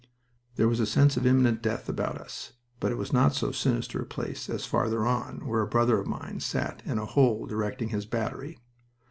There was a sense of imminent death about us, but it was not so sinister a place as farther on, where a brother of mine sat in a hole directing his battery...